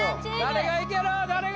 誰がいける？